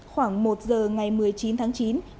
khoảng một giờ ngày một mươi chín tháng chín